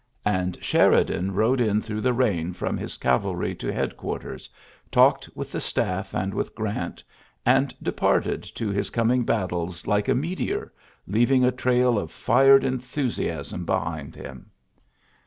And Sheri dan rode in through the rain from his cavalry to headquarters, talked with the staff and with Grant, and departed to his coming battles like a meteor, leaving a trail of fired enthusiasm behind him.